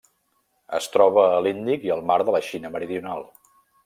Es troba a l'Índic i al Mar de la Xina Meridional.